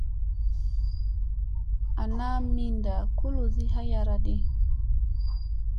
Ana minda kuluzi ayara ɗi.